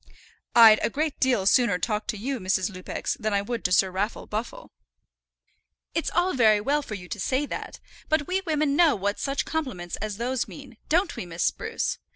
"I'd a great deal sooner talk to you, Mrs. Lupex, than I would to Sir Raffle Buffle." "It's all very well for you to say that. But we women know what such compliments as those mean; don't we, Miss Spruce?